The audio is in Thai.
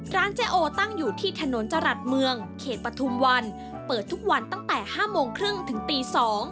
เจ๊โอตั้งอยู่ที่ถนนจรัสเมืองเขตปฐุมวันเปิดทุกวันตั้งแต่๕โมงครึ่งถึงตี๒